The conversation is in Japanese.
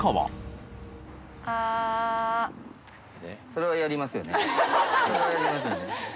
それはやりますよね。